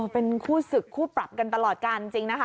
เป็นคู่ศึกคู่ปรับกันตลอดการจริงนะคะ